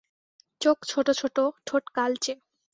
চোখ ছোট-ছোট, ঠোঁট কালচে।